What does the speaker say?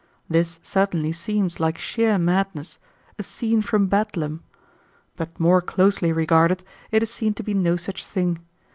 This certainly seems like sheer madness, a scene from bedlam. But more closely regarded, it is seen to be no such thing.